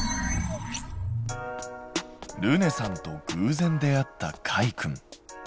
ルネさんとぐうぜん出会ったかいくん。